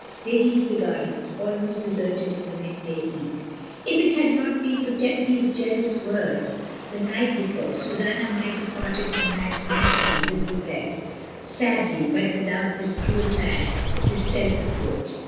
They reached the gardens, almost deserted in the midday heat. If it had not been for Tempy's jealous words the night before, Susanna might have parted from Max naturally with regret, sadly, but without this cruel pang, this self reproach.